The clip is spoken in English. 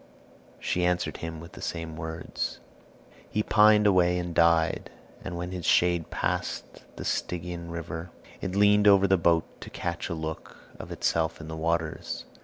she answered him with the same words. He pined away and died; and when his shade passed the Stygian river, it leaned over the boat to catch a look of itself in the waters.